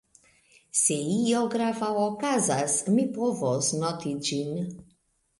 Se io grava okazas, mi povos noti ĝin.